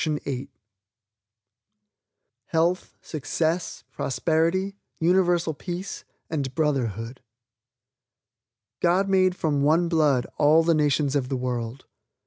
HEALTH, SUCCESS, PROSPERITY, UNIVERSAL PEACE AND BROTHERHOOD "God Made From One Blood All the Nations of the World."